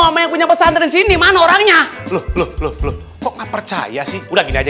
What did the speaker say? yang punya pesan dari sini mana orangnya belum belum belum kok nggak percaya sih udah gini aja